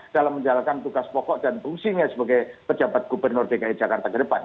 dalam menjalankan tugas pokok dan fungsinya sebagai pejabat gubernur dki jakarta ke depan